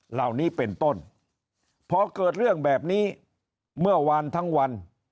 เหล่านี้เป็นต้นพอเกิดเรื่องแบบนี้เมื่อวานทั้งวัน